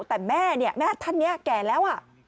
แต่แม่เนี่ยแม่ท่านนี้แก่แล้ว